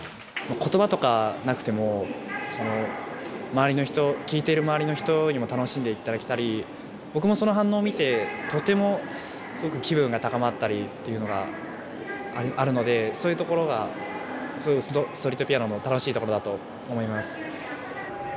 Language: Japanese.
言葉とかなくても周りの人聴いてる周りの人にも楽しんで頂けたり僕もその反応を見てとてもすごく気分が高まったりっていうのがあるのでそういうところがストリートピアノの楽しいところだと思います。